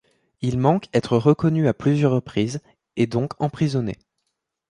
Il manque être reconnu à plusieurs reprises et donc emprisonné.